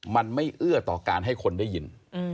มันไม่เอื้อต่อการให้คนได้ยิน